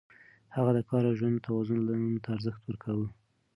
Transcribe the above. هغه د کار او ژوند توازن ته ارزښت ورکاوه.